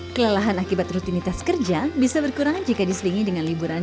kelelahan akibat rutinitas kerja bisa berkurang jika diselingi dengan liburan